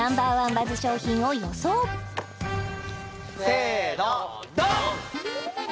バズ商品をせーのドン！